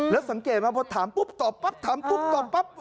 แล้วสังเกตว่าเมื่อถาม